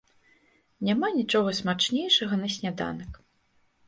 Няма нічога смачнейшага на сняданак.